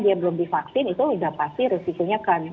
yang belum divaksin itu udah pasti resikonya akan